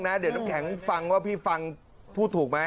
พี่ท้องเรื่องนะเรียนแสงฟังว่าฟังพูดถูกไหม